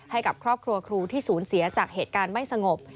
ให้กับครอบครัวครูที่สูญเสียจากเหตุการณ์ไม่สงบ